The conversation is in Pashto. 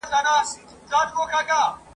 مېنه یوه ده له هري تر بدخشان وطنه ..